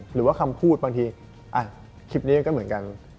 หรือว่าคำพูดบางทีคลิปนี้ก็เหมือนกัน